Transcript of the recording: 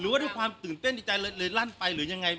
ว่าด้วยความตื่นเต้นในใจเลยลั่นไปหรือยังไง